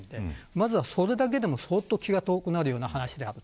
まずはそれだけでも、相当気が遠くなるような話です。